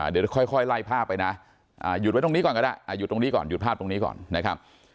เดี๋ยวค่อยไล่ภาพไปนะหยุดไว้ตรงนี้ก่อนก็ได้หยุดตรงนี้ก่อนหยุดภาพตรงนี้ก่อนนะครับ